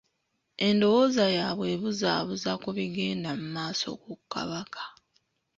Endowooza yaabwe ebuzabuuza ku bigenda mu maaso ku Kabaka.